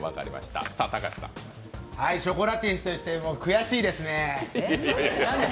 ショコラティエとしても悔しいですねぇ。